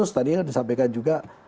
khusus tadi ya disampaikan juga